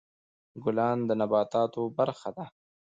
ګلان د نباتاتو برخه ده.